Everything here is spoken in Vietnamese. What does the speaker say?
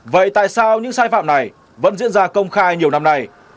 vậy tại sao những sai phạm này vẫn diễn ra công khai nhiều năm nay